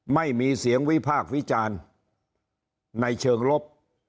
ไม่มีเสียงวิพากษ์วิจารณ์ในเชิงลบ